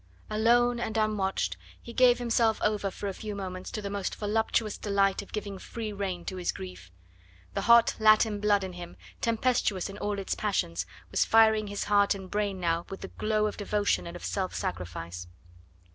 Alone and unwatched, he gave himself over for a few moments to the almost voluptuous delight of giving free rein to his grief. The hot Latin blood in him, tempestuous in all its passions, was firing his heart and brain now with the glow of devotion and of self sacrifice.